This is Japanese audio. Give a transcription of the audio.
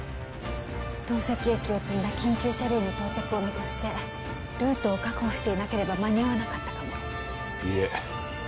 透析液を積んだ緊急車両の到着を見越してルートを確保していなければ間に合わなかったかもいいえ